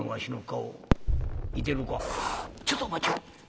「ちょっとお待ちを。